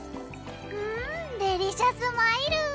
うんデリシャスマイル！